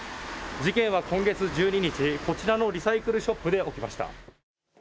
事件は今月１２日、こちらのリサイクルショップで起きました。